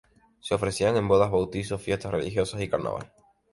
Se ofrecían en bodas, bautizos, fiestas religiosas y carnaval.